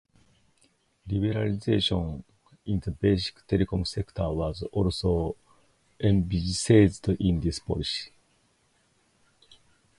Liberalisation in the basic telecom sector was also envisaged in this policy.